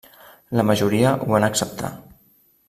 La majoria ho van acceptar.